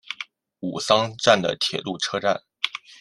吾桑站的铁路车站。